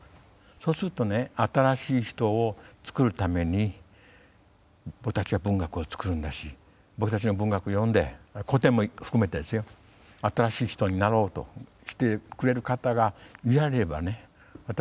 そうするとね「新しい人」を作るために僕たちは文学を作るんだし僕たちの文学を読んで古典も含めて「新しい人」になろうとしてくれる方がいられればね私は希望があると。